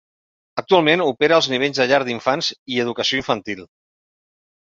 Actualment opera als nivells de llar d'infants i educació infantil.